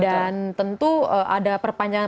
dan tentu ada perpanjangan